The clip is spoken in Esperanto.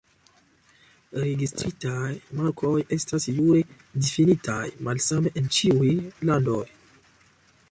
Registritaj markoj estas jure difinitaj malsame en ĉiuj landoj.